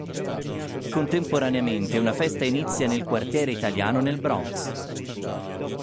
Contemporaneamente, una festa simile inizia nel quartiere italiano nel Bronx.